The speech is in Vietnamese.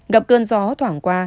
gặp cơn gió thoảng qua